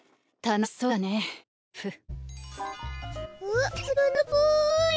楽しそうだねフッ。